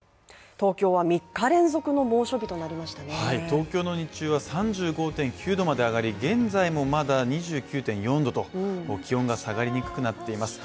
東京の日中は３５．９度まで上がり、現在もまだ２９．４度と気温が下がりにくくなっています。